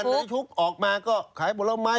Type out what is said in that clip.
ไปเจอกันในคุกออกมาก็ขายผลไม้